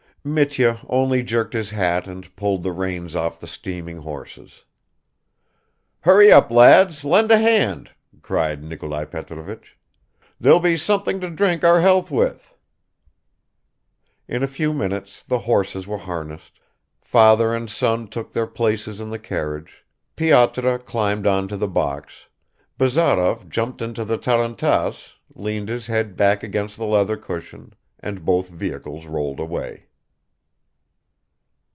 Mitya only jerked his hat and pulled the reins off the steaming horses. "Hurry up, lads, lend a hand!" cried Nikolai Petrovich. "There'll be something to drink our health with!" In a few minutes the horses were harnessed; father and son took their places in the carriage: Pyotr climbed on to the box; Bazarov jumped into the tarantass, leaned his head back against the leather cushion and both vehicles rolled away.